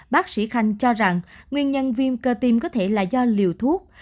bác sĩ khanh cho rằng nguyên nhân viêm cơ tim có thể là do liều thuốc